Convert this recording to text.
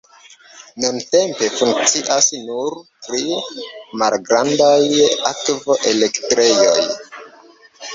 Nuntempe funkcias nur tri malgrandaj akvo-elektrejoj.